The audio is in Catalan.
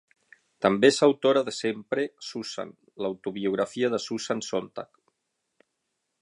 També és autora de Sempre Susan: L'autobiografia de Susan Sontag.